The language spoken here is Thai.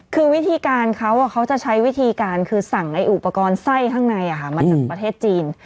คือวิธีการเขาเขาจะใช้วิธีการคือสั่งอุปกรณ์ไส้ข้างในมาจากประเทศจีน